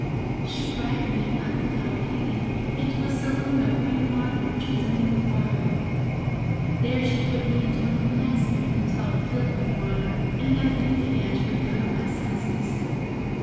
She dragged me, not without pain, into a saloon of green marble which was near the grotto; she there put me into an immense golden tub filled with water, and I then began to recover my senses.